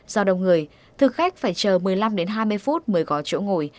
do đông người thực khách phải chờ một mươi năm đến hai mươi phút mới có chỗ ngồi